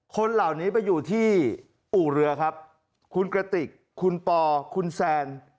คนเหล่านี้ไปอยู่ที่อู่เรือครับคุณกระติกคุณปอคุณแซน